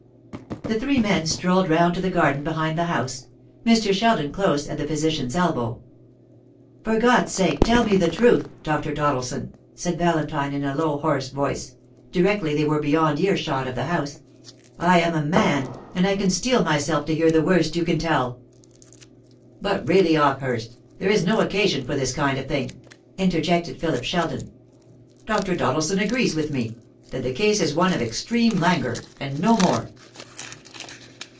The three men strolled round to the garden behind the house, Mr. Sheldon close at the physician's elbow. "For God's sake tell me the truth, Dr. Doddleson!" said Valentine in a low hoarse voice, directly they were beyond ear shot of the house. "I am a man, and I can steel myself to hear the worst you can tell." "But really, Hawkehurst, there is no occasion for this kind of thing," interjected Philip Sheldon; "Dr. Doddleson agrees with me, that the case is one of extreme languor, and no more."